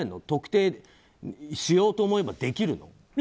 特定しようと思えばできるの？